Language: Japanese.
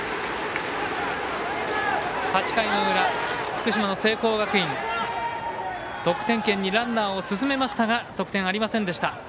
８回の裏、福島の聖光学院得点圏にランナーを進めましたが得点ありませんでした。